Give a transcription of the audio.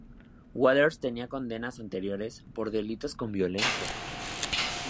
Waters tenía condenas anteriores por delitos con violencia.